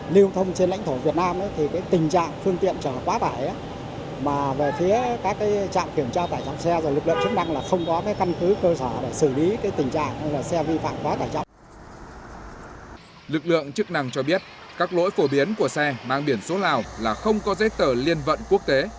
lực lượng chức năng cho biết các lỗi phổ biến của xe mang biển số lào là không có giấy tờ liên vận quốc tế